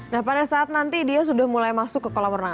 nah pada saat nanti dia sudah mulai masuk ke kolam renang